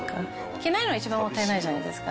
着ないのが一番もったいないじゃないですか、